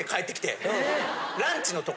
ランチのとこ。